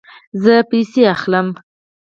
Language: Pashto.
زه پیسې اخلم